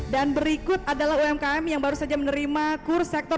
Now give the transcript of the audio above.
dan berikut adalah umkm yang baru saja menerima kur dari umkm komoditas pangan di sulawesi selatan